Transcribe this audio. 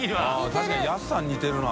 確かにやすさん似てるな。